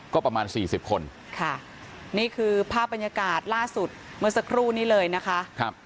ก็ประมาณสี่สิบคนค่ะนี่คือภาพบรรยากาศล่าสุดเมื่อสักครู่นี้เลยนะคะ